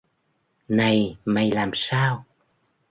Này mày làm sao